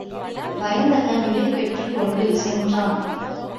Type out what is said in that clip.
வயந்தகன் விடை பெற்றுக்கொண்டு சென்றான்.